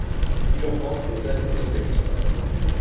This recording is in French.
Urbain posa des objections.